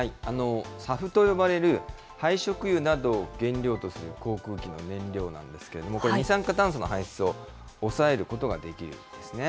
ＳＡＦと呼ばれる廃食油などを原料とする航空機の燃料なんですけれども、これ、二酸化炭素の排出を抑えることができるんですね。